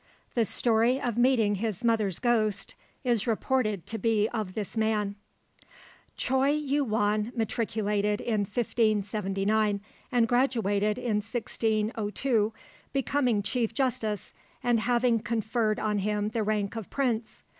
(The story of meeting his mother's ghost is reported to be of this man.) Choi Yu won matriculated in 1579 and graduated in 1602, becoming Chief Justice and having conferred on him the rank of prince.